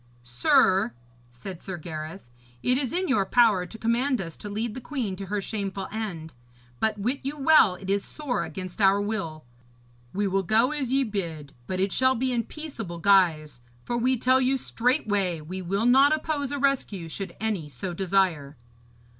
'Sir,' said Sir Gareth, 'it is in your power to command us to lead the queen to her shameful end; but wit you well it is sore against our will. We will go as ye bid, but it shall be in peaceable guise, for we tell you straightway, we will not oppose a rescue, should any so desire.'